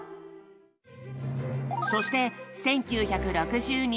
そして１９６２年。